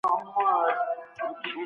د څېړنې مواد باید په دقت سره ترتیب سي.